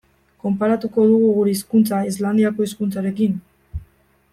Konparatuko dugu gure hizkuntza Islandiako hizkuntzarekin?